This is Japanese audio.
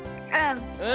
うん。